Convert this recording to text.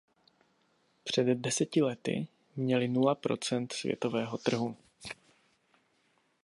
Před deseti lety měli nula procent světového trhu.